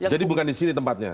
jadi bukan di sini tempatnya